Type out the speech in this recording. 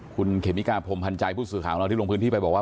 คุณเขมิกาพรมพันธ์ใจผู้สื่อข่าวของเราที่ลงพื้นที่ไปบอกว่า